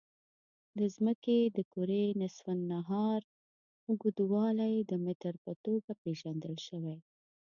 د ځمکې د کرې نصف النهار اوږدوالی د متر په توګه پېژندل شوی.